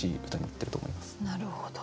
なるほど。